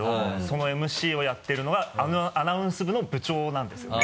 そのＭＣをやってるのがアナウンス部の部長なんですよ。